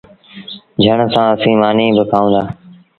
جھڻ سآݩ اسيٚݩ مآݩيٚ با کآئوݩ دآ۔